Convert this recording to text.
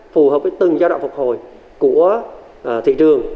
phù hợp với từng giai đoạn phục hồi của thị trường